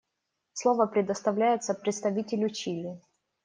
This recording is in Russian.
Слово предоставляется представителю Чили.